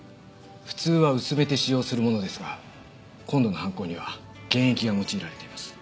普通は薄めて使用するものですが今度の犯行には原液が用いられています。